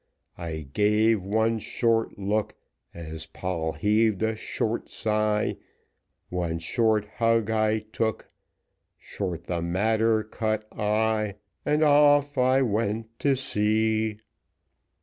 I gave one short look, As Poll heaved a short sigh One short hug I took, Short the matter cut I, And off I went to sea.